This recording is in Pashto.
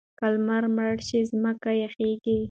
که لمر مړ شي ځمکه یخیږي.